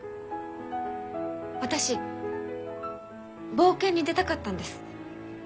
私冒険に出たかったんです。